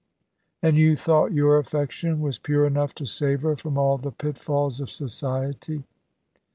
"And you thought your affection was pure enough to save her from all the pitfalls of Society."